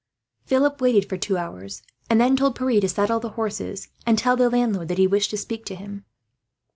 Philip waited for two hours, and then told Pierre to saddle the horses, and tell the landlord that he wished to speak to him.